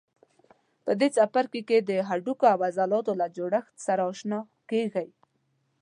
په دې څپرکي کې د هډوکو او عضلاتو له جوړښت سره آشنا کېږئ.